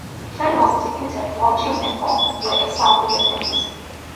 Fan was executed, while Geng and Wang were exiled with their families.